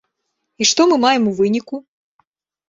І што мы маем у выніку?